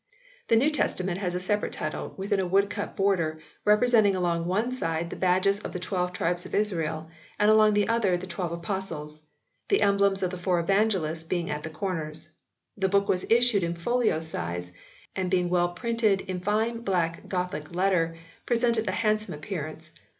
The New Testa ment has a separate title within a woodcut border representing along one side the badges of the twelve tribes of Israel, and along the other the twelve Apostles ; the emblems of the Four Evangelists being at the corners. The book was issued in folio size, and being well printed in fine black Gothic letter presented a handsome appearance.